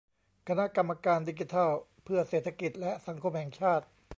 คณะกรรมการดิจิทัลเพื่อเศรษฐกิจและสังคมแห่งชาติ